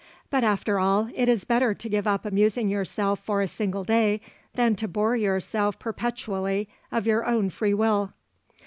But after all, it is better to give up amusing yourself for a single day than to bore yourself perpetually of your own freewill.'